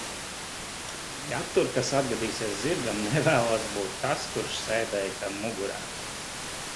Ja tur kas atgadīsies zirgam, nevēlos būt tas, kurš sēdēja tam mugurā.